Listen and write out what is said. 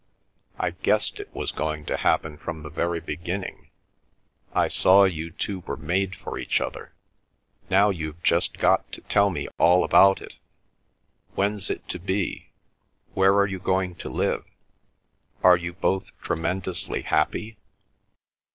I guessed it was going to happen from the very beginning! I saw you two were made for each other. Now you've just got to tell me all about it—when's it to be, where are you going to live—are you both tremendously happy?"